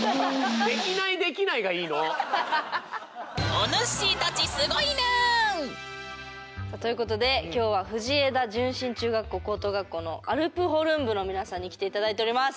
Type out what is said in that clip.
おぬっしーたちすごいぬん！ということで今日は藤枝順心中学校・高等学校のアルプホルン部の皆さんに来て頂いております。